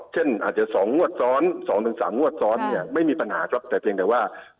เช่นอาจจะ๒งวดซ้อน๒๓งวดซ้อนเนี่ยไม่มีปัญหาครับแต่เพียงแต่ว่า